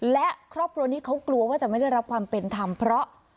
และครอบครัวนี้เขากลัวว่าจะไม่ได้รับความเป็นธรรมเพราะ